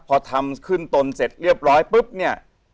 พอทำขึ้นตนเสร็จเรียบร้อยปุ๊บเนี่ย